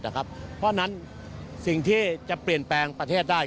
เพราะฉะนั้นสิ่งที่จะเปลี่ยนแปลงประเทศได้